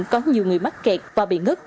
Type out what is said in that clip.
có nhiều người mắc kẹt và bị ngất